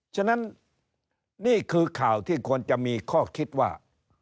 ฉะนั้นนี่คือข่าวที่ควรจะมีข้อคิดว่า